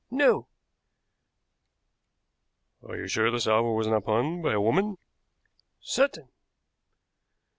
"No." "Are you sure the salver was not pawned by a woman?" "Certain."